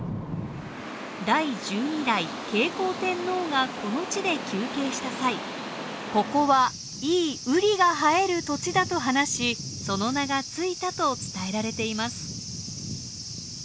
第十二代景行天皇がこの地で休憩した際「ここはいい瓜が生える土地だ」と話しその名がついたと伝えられています。